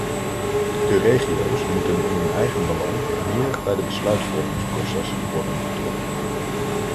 De regio's moeten in hun eigen belang meer bij de besluitvormingsprocessen worden betrokken.